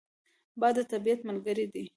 باد د طبیعت ملګری دی